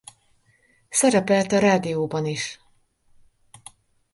Szerepelt a rádióban is.